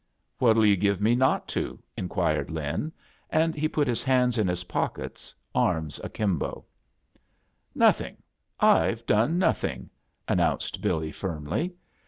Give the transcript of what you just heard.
"What 'D you give me not to?" inquired Lin, and be pot his hands in his pockets, arms akimba "Nothing; Pve done nothing,*' announc ed Billy, firmly.